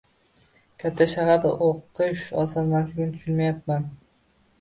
Katta shaharda o‘qish osonmasligini tushunyapman.